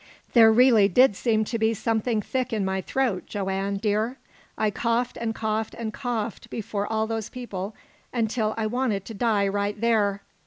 "There really did seem to be something thick in my throat, Joanne, dear. I coughed and coughed and coughed before all those people until I wanted to die right there!